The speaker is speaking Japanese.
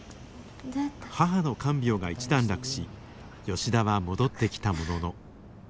母の看病が一段落し吉田は戻ってきたものの。